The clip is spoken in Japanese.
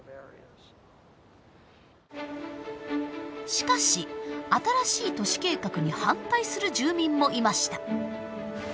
しかし新しい都市計画に反対する住民もいました。